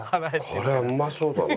これはうまそうだな。